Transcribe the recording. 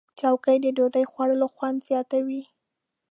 چوکۍ د ډوډۍ خوړلو خوند زیاتوي.